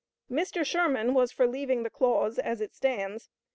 " "Mr. Sherman was for leaving the clause as it stands.